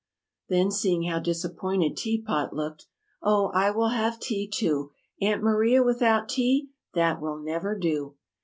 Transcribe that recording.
Then, seeing how disappointed Tea Pot looked: "Oh, I will have tea, too. Aunt Maria without tea! That will never do!"